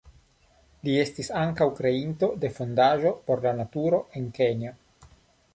Li estis ankaŭ kreinto de fondaĵo por la naturo en Kenjo.